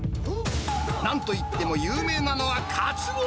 なんといっても、有名なのはカツオ！